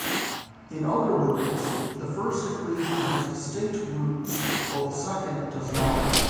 In other words, the first equation has distinct roots, while the second does not.